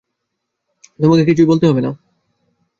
তোমাকে কিছুই বলতে হবে না।